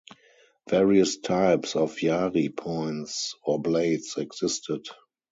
Various types of yari points or blades existed.